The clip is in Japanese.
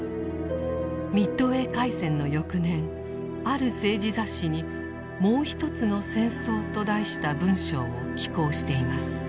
ミッドウェー海戦の翌年ある政治雑誌に「もうひとつの戦争」と題した文章を寄稿しています。